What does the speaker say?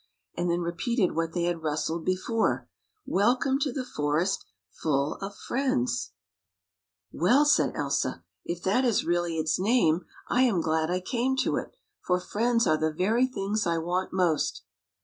" and then repeated what they had rustled before: " Welcome to the Forest Full of Friends! " 96 THE FOREST FULL OF FRIENDS "Well," said Elsa, "if that is really its name, I am glad I came to it, for friends are the very things I want most."